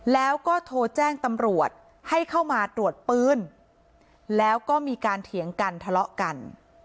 แล้วก็โทรแจ้งตำรวจให้เข้ามาตรวจปืนแล้วก็มีการเถียงกันทะเลาะกัน